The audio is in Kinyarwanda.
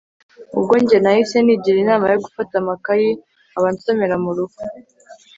ubwo njye nahise nigira inama yo gufata amakayi nkaba nsomera murugo